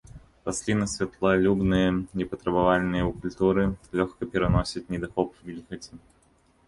Расліны святлалюбныя, непатрабавальныя ў культуры, лёгка пераносяць недахоп вільгаці.